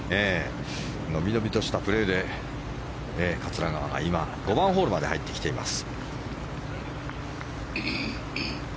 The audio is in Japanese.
のびのびとしたプレーで桂川が今５番ホールまで入ってきています。